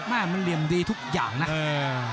ภูตวรรณสิทธิ์บุญมีน้ำเงิน